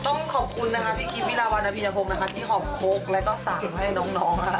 ต้องขอบคุณนะคะพี่กิฟต์พี่ราวรรณภินภงนะคะที่หอบโค้กแล้วก็สั่งให้น้องน้องค่ะ